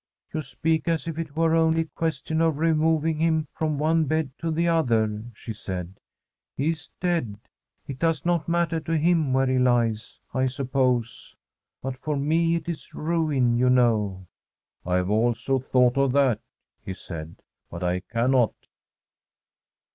' You speak as if it were only a question of removing him from one bed to the other,' she said. ' He is dead. It does not matter to him where he lies, I suppose ; but for me it is ruin, you know.' ' I have also thought of that,' he said, ' but I cannot.'